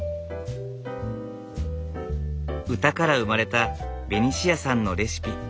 歌から生まれたベニシアさんのレシピ。